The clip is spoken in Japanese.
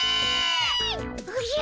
おじゃ。